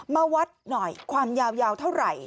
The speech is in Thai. มาวัดหน่อยความยาวเท่าไหร่